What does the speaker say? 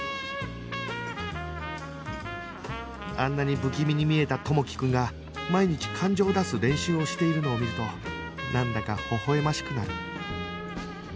あんなに不気味に見えた知樹くんが毎日感情を出す練習をしているのを見るとなんだかほほ笑ましくなる